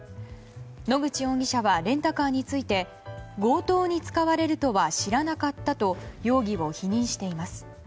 野口容疑者はレンタカーについて強盗に使われるとは知らなかったと容疑を否認しています。